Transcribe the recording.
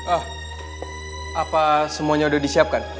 oh apa semuanya udah disiapkan